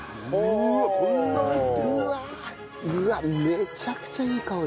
うわっめちゃくちゃいい香り。